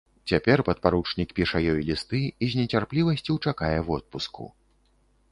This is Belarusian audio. Цяпер падпаручнік піша ёй лісты і з нецярплівасцю чакае водпуску.